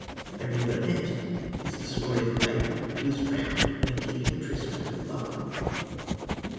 Mary Burnet is the story of a maiden who is drowned when keeping tryst with her lover.